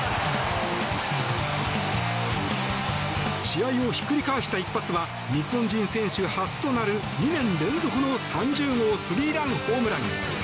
試合をひっくり返した一発は日本人選手初となる２年連続の３０号スリーランホームラン。